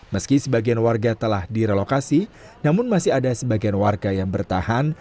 meski sebagian warga telah direlokasi namun masih ada sebagian warga yang bertahan